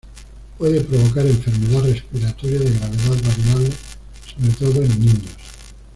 Puede provocar enfermedad respiratoria de gravedad variable, sobre todo en niños.